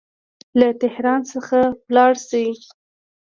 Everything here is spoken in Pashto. له تهران څخه ولاړ سي.